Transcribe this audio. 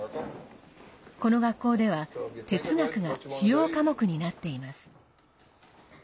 この学校では哲学が主要科目になっています。